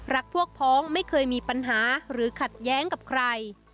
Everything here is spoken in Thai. รักพวกพ้องไม่เคยมีปัญหาหรือขัดแย้งกับใคร